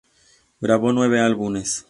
Grabó nueve álbumes.